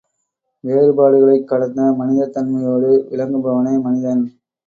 வேறுபாடுகளைக் கடந்த மனிதத் தன்மையோடு விளங்குபவனே மனிதன்.